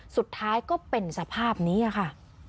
สุดท้ายก็เป็นสภาพนี้ค่ะ